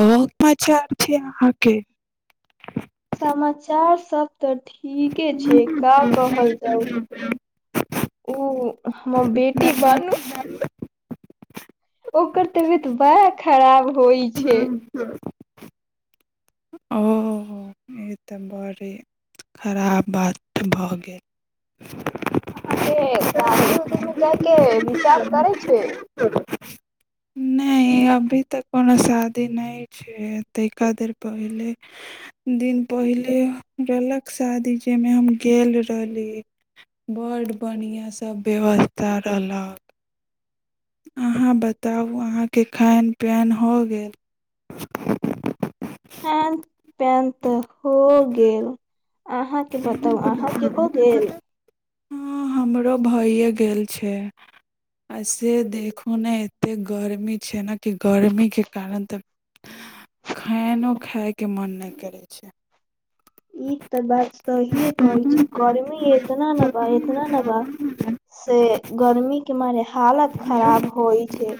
ह माचार छै अहाँके समाचार सब तऽ ठीके छै, का कहल जाउ उ हमर बेटी बानू ओकर तबियत बड़ा खराब होइ छय। [unintelligible] ओ ई तऽ बड़े खराब बात भऽ गेल। अहाँके शादी-उदी मे जायके विचार करै छै। नहि य अभी तक कोनो शादी नहि छै, तैंका देर पहिले दिन पहिले रहलक शादी, जहिमे हम गेल रहली। बड बढ़ियां सब व्यवस्था रहलक। अहाँ बताउ अहाँके खाइन-पियान हो गेल। खान-प्यान तऽ हो गेल। अहाँके बताउ अहाँके हो गेल। हं हमरो भइए गेल छै, आय से देख खुने एतेक गर्मी छै न, कि गर्मीके कारण त खाएनो खायके मोन नहि करै छै। ई तऽ बात सहिये कहै छि, गर्मी एतना न बा, एतना न बा से गर्मी के मारे हालत खराब होइ छै।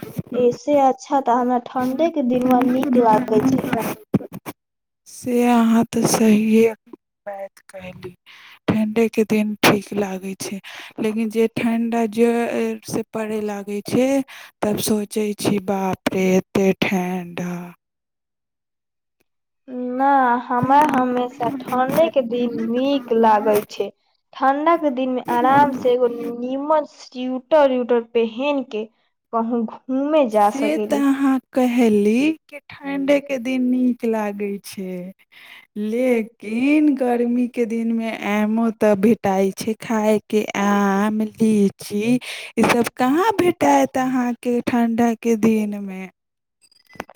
ऐसे अच्छा तऽ हमरा ठंडे के दिनमा नीक लागे छै। से अहाँ त स सहीए बैत कहली, ठंडे के दिन ठीक लागै छै, लेकिन जे ठण्डा जऽड़ से पड़ै लागै छै तब सोचे छी, बाप रे एते ठेंढा़। न हमरा हमेशा ठंडे के दिन नीक लागय छै। ठंडा के दिन में आराम से एगो नु नीमन स्यूटर-उूटर पेहन के कहूँ घु से तऽ अहाँ कहएली के ठंडे के दिन नीक लागे छै, लेकिन गर्मी के दिन में आमो तऽ भेटाई छै, खाय के आम, लीची। ईसब कहाँ भेटाइत अहाँके ठण्ढा के दिनमे।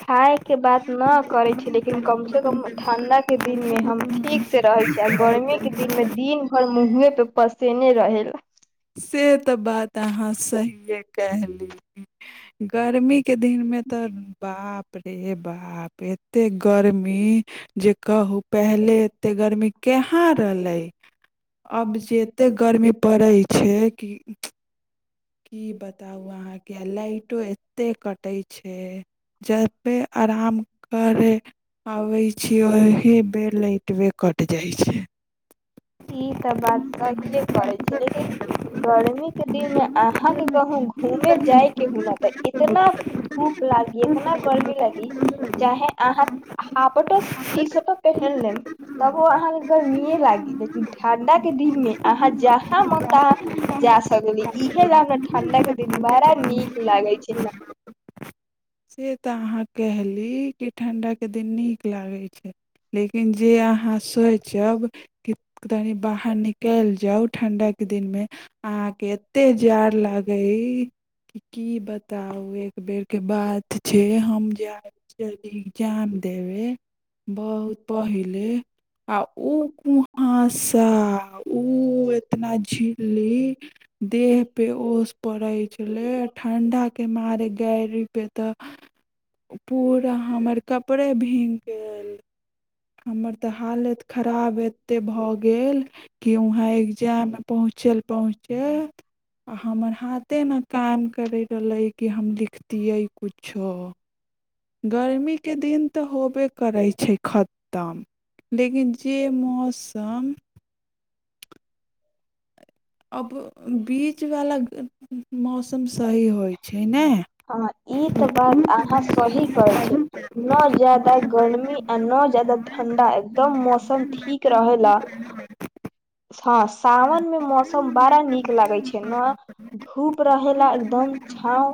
खाय के बात न करै छी, लेकिन कम से कम ठण्डा के दिन मे हम ठीक से रहै छि, आ गर्मी के दिन मे दिन भर मुँहवे पे पसिने रहे ला। से तऽ बात अहाँ सहिए केहली, गर्मी के दिन मे तऽ बाप रे बाप एतेक गर्मी। जे कहू पहिले एते गर्मी केहाँ रहलै, अब जे एतेक गर्मी पड़ै छै कि की बताउ अहाँके, आ लाइटो एत्ते कटै छै। जबे अराम करे आबै छी, ओही बे ल‌इ टबे कट जाइ छै। ई तऽ बात सहिए करै छै, लेकिन गर्मी के दिन मे अहाँके कहू घूमे जाय के हु न तय इतना धूप लागी, इतना गर्मी लगी चाहे अहाँ हाफटो-टीशर्टो पेहेन लेम। तबो अहाँके गर्मीए लागि गेल। ई छै ठंडा के दिन मे अहाँ जहाँ मन तहाँ जा सकली इहे ला न ठंडा के दिन बड़ा नीक लागै छै। से से तऽ अहाँ कैहली कि ठंडा के दिन नीक लागै छै। लेकिन जे अहाँ सोइचब की तनी बाहर निकल जाउ ठंडा के दिन मे हँ अहाँके एते जाड़ गै कि की बताउ एक बेर के बात छै हम जे आ गेल रही इग्जाम देबे बहुत पहिले। आ उ कुहांसा ऊ एतना झी ली देह पे ओस पड़ै छलै आ ठण्डा के मारे गायरी पे तऽ पूरा हमर कपड़े भींग गेल। हमर तऽ हालैत खराब एत्ते भऽ गेल। कि उहाँ एग्जाम में पहुँचल पहुँचे आ हमर हाथे ना काम करै रहलै कि हम लिखतियै कुछो। गर्मीके दिन तऽ होबे करै छै खत्तम। लेकिन जे मौसम अब अ बीचवाला मौसम सही होइ छै ने। हँ ई तऽ बात अहाँ सही कहे छीयै नऽ जादा गर्मी आ न जादा ठंडा एकदम मौसम ठीक क रहै ला हँ सावन मे मौसम सम बाड़ा नीक लागे छै नऽ धूप रहेला एकदम छाँव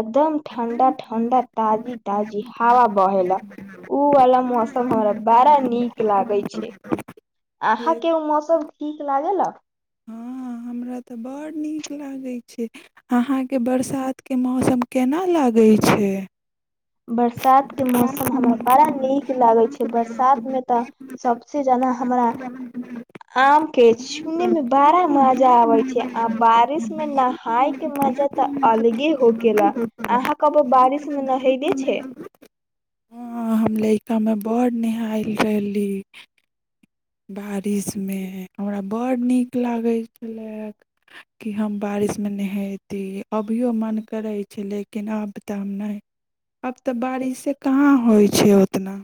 एकदम ठण्डा ठण्डा ताजी ताजी हावा बहेला। ऊ वाला मौसम हमरा बाड़ा नीक लागै छै। से अहाँके ओ मौसम ठीक लागेल? हँ हमरा तऽ बड़ नीक लागै अहाँके बरसातके मौसम केना लागै छै? बरसात के मौसम हमरा बड़ा नीक क लागै छै हँ बरसात मे तऽ सबसे जादा हमरा उं आम के छूने में बाड़ा मजा आबै छै आ बारिश में नहाय के मजा तऽ अलगे होकेला आहाॅं कबो बारिश मे नहैले छे? हंऽ हम लइका में बड़ नेहायल रहली। बारिश मे हमरा बड्ड नीक लागै छलै। कि हम बारिशमे नहैती अभियो मन करै छै कि हम बारिश में नहैती लेकिन आब तऽ हम नै आब अब तऽ बारिशे कहाँ बारिश होइ छै ओतना।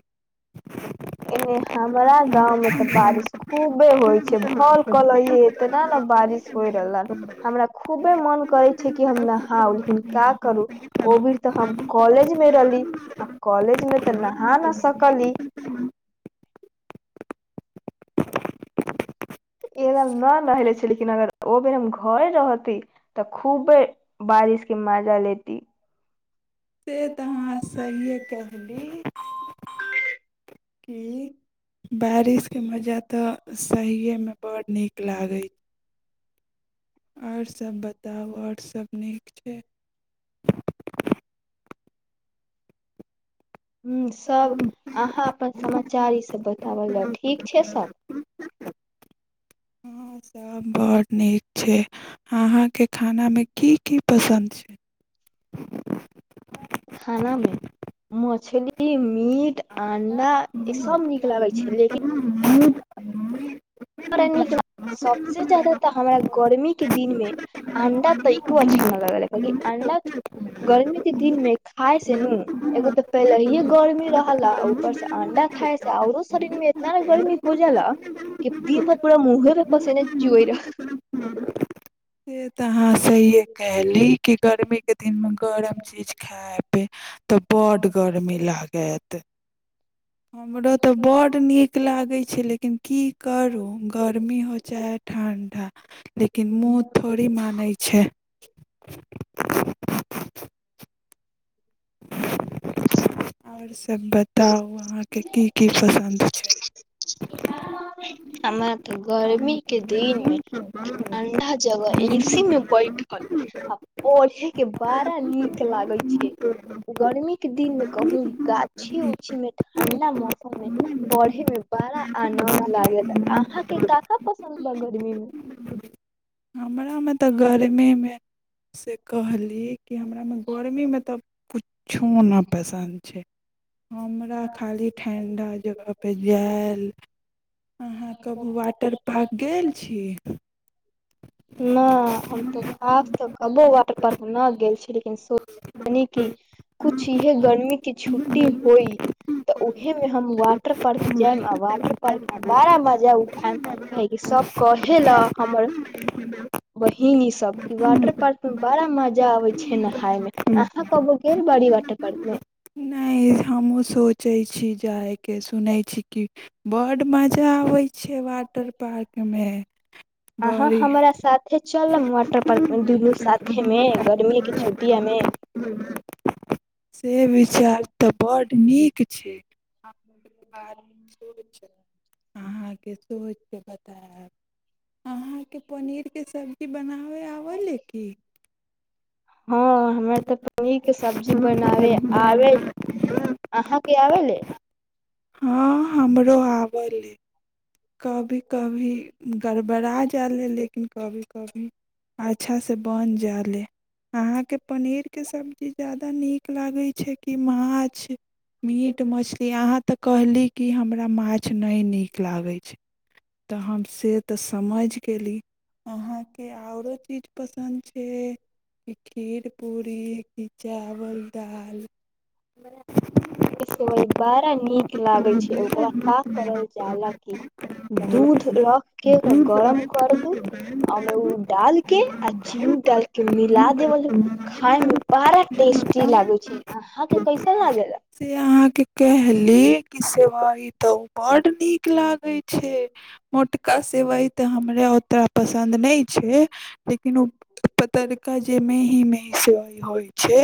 एने हमरा गाँव मे तऽ बारिश खूबे होइ छै भल कलैये एतना न बारिश होइ रहलन हमरा खूबे मन करै छै कि हम नहाउ लेकिन का करू ओ बीर तऽ हम कॉलेज मे रहली आ कॉलेज में तऽ नहा न सकली। [unintelligible] न नहैले छी लेकिन अगर ओ बेर हम घरे रहती तऽ खूबे बारिश के मजा ले से तऽ अहाँ सहिए केहली। की बारिशके मजा तऽ सहिए मे बड नीक लागै और सब बताउ और सब नीक छे? ह सब अहाँ अपन समाचार ई सब बताबल जा ठीक छै सब। हँ सब बड नीक छै अहा के खाना मे की की पसंद छै। [inaudible] खाना में मछली मीट अंडा अंडा ई सब नीक लागे छै लेकिन हूं हूं ड़ [unintelligible] नीक ल सबसे जादा तऽ हमरा गर्मी के दिन मे अंडा तइको अच्छा न लगलै कि अंडा गर्मी दिन में खााय से नू एगो तऽ पहिलेहिे गर्मी रहला ऊपर से अंडा खााय से औरो शरीर मे इतना नऽ गर्मी हो जाला की दिन भर पूरा मूह ले पसैने चुएर लेकिन से तऽ अहाँसँ इए कहयली कि गर्मी केदिनमे गरम चीज खाय बे तऽ बड़ गर्मी लागत। हमरो तऽ बड़ नीक लागे छै लेकिन की करो। गर्मी हो चाहे ठंडा लेकिन मुह थौड़ी मानै छै। [inaudible] और सब बताउ आहां के की की पसन्द छै हमरा तऽ गर्मी के दिन में ठंडा जगह एसी मे बैठल ओढ़े के बड़ा नीक लागय गर्मी के दिन मे कहू गाछी उछी मे ठंडा मौसममे पढ़े मे बड़ा आनंद लागेला अहाँके काका पसन्द बा गर्मी मे। हमरा मे तऽ गर्मीमे से कहली कि हमरामे गर्मीमे तऽ कुछो नऽ पसंद छै। हमरा खाली ठण्ढा जगहपर जायल अहाँ कबू वाटर पार्क गेल छी। नहि हम तऽ आ तऽ कबो वाटर पार्क न गेल छि लेकिन सूनी की कुछ यह गर्मी क छुट्टी होई तऽ उहे मे हम वाटर पार्क जायब आ वाटर पार्क बड़ा मजा उठायब। काहेकि सब कहे लए हमर बहिन ई सब क वाटर पार्क में बड़ा मजा आबे छै नहाय में। आहा कबो गेल बाड़ी वाटर पार्क में। नहि हमहु सोचे छी जाय के सुनै छि बड़ मजा आबे छै वाटर पार्क मे। अहाँ हमरा साथे चलब वाटर पार्क मे दुनू साथे मे गर्मी के छुट्टिया में। [unintelligible] से विचार तऽ बड्ड नीक छै। [unintelligible] अहाँके सोचके बतायब अहाँके पनीरके सब्जी बनाबै आबैए लै की हँ हमरा तऽ पनीर के सब्जी बनावे आबे। आहाके अवेले। हँ हमरो आवले। कभी कभी गड़बड़ा जाले लेकिन कभी कभी अच्छा से बन जाले। अहां के पनीर के सब्जी ज्यादा नीक लागे छै, कि माछ। मीट मछली अहाँ तऽ कहली कि, हमरा माछ नहि नीक लागै। तऽ हम। से तऽ समझि गेली। अहाँके औरो चीज पसन्द छै। खीर, पूड़ी कि चावल, दाल? वह बड़ा नीक लागे छै ओकरा, का करल जाला। दूध रखके गरम कर दू। ओमे ओ डाल के आ चीनी डालके मिला देब। खाय मे बारा टेस्टी लागे छै, अहाँ के कैसन लागे ला। से अहा के कहली कि सेवई त बड़ नीक लाग छै मोटका सेवइ तऽ हमरा ओतना पसन्द नहि छै। लेकिन ओ पतरका जे मेही- मेही सेवइ होइ छै।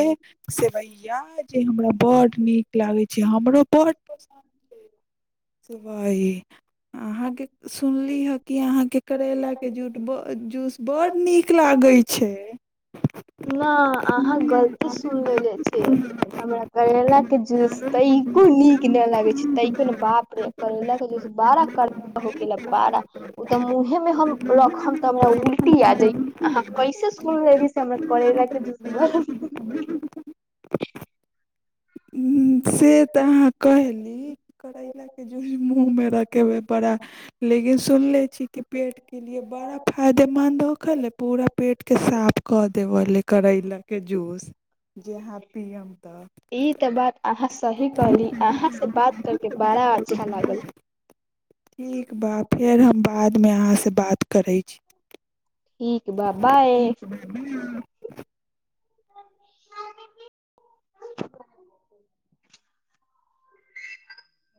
सेवइया जे हमरा बड नीक लागे छै हमरो बड [inaudible] अहाँके सुनली हे कि अहा के करेला के जूड- जूस बड़ नीक लागे छै। ह [inaudible] न अहाँ गलती सुन लेे छीयै हमरा करेला के जूस तैको नीक ने लागे छै तैको ने बाप रे। केरेला के जूस बारा करवा होकेला बारा। ओ तऽ मुंहे मे हम रखब तऽ हमरा उलटी आ जाई, अहाँ कैसे सुन लेलि से हमरा करेला के जुस बड़ से तऽ अहाँ कहली। करेला के जुस मुह मे रखेे बड़ा लेकिन सुन ले छी के पेट के लिए बड़ा फायदेमन्द हो गेलै, पूरा पेटके साफ कऽ देबले करैला। के जूस जे अहाँ पीयब तऽ। इ तऽ बात अहां सही कहली, अहां से बात कर के बड़ा अच्छा लागल। ठीक बा फेर हम बादमें अहाँ से बात करै छी। ठीक बा बाए। बाए। [inaudible]